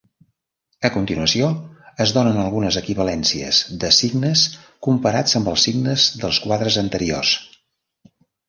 A continuació es donen algunes equivalències de signes comparats amb els signes dels quadres anteriors.